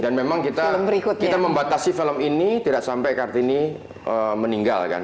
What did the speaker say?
dan memang kita membatasi film ini tidak sampai kartini meninggal kan